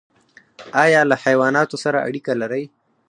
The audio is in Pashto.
ایا له حیواناتو سره اړیکه لرئ؟